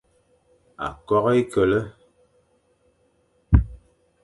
Akok h e kele,